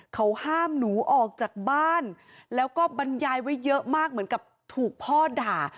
เขาห้ามหนูออกจากบ้านแล้วก็บรรยายไว้เยอะมากเหมือนกับถูกพ่อด่า